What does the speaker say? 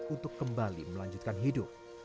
untuk kembali melanjutkan hidup